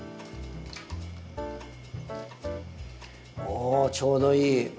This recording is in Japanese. おちょうどいい！